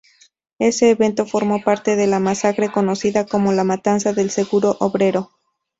Ese evento formó parte de la masacre conocida como la "Matanza del Seguro Obrero".